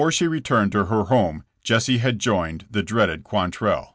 she returned to her home Jesse had joined the dreaded Quantrell.